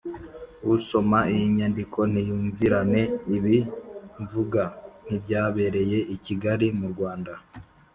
usoma iyi nyandiko ntiyumvirane! ibi mvuga ntibyabereye i kigali, mu rwanda.